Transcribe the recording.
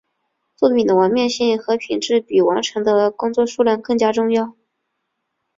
作品的完面性和品质比完成的工作数量更加重要。